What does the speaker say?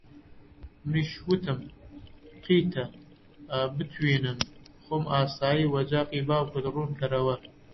منیش وتم: قیتە! ئا بتوینم خۆم ئاسایی وەجاخی باوکت ڕوون کەرەوە